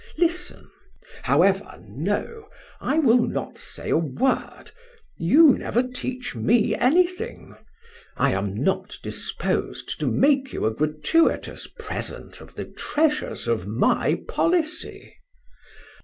Listen however, no! I will not say a word. You never teach me anything; I am not disposed to make you a gratuitous present of the treasures of my policy.